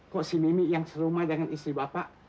kok si mimik yang serumai dengan istri bapak